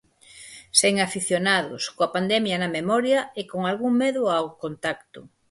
Sen afeccionados, coa pandemia na memoria, e con algún medo ao contacto.